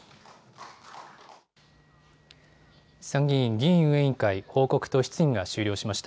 参議院議院運営委員会、報告と質疑が終了しました。